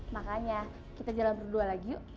makanya kita jalan berdua lagi yuk